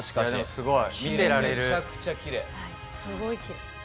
すごい！